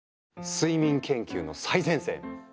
睡眠研究の最前線！